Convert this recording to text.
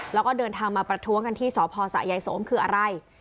แล้วก็เดินทางมาประท้วงกันที่สพสะยายสมคืออะไร